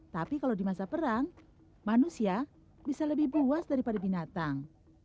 tapi kalau di masa perang manusia bisa lebih puas daripada binatang